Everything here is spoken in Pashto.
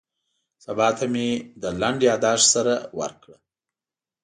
سبا ته مې له لنډ یاداښت سره ورکړه.